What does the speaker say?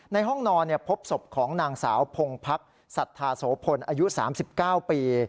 ในห้องนอนพบศพของนางสาวพงพักสัทธาโสพลอายุ๓๙ปี